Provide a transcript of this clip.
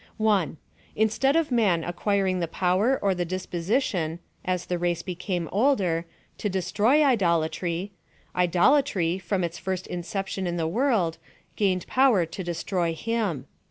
1. Instead of man acquiring the power or the dispo sition, as tne race became older, to destroy idolatry — idolatry, from its first inception in the world, gained power to destroy him.